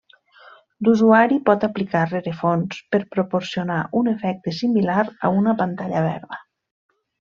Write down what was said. L'usuari pot aplicar rerefons per proporcionar un efecte similar a una pantalla verda.